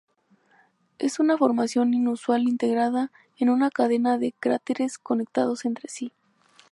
Es una formación inusual, integrada en una cadena de cráteres conectados entre sí.